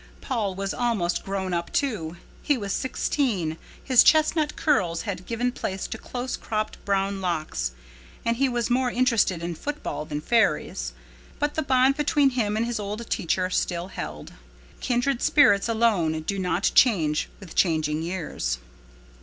Paul was almost grown up, too. He was sixteen, his chestnut curls had given place to close cropped brown locks, and he was more interested in football than fairies. But the bond between him and his old teacher still held. Kindred spirits alone do not change with changing years.